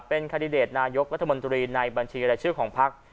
เป็นคาดิเดตนายกรัฐมนตรีในบัญชีรายชื่อของพัก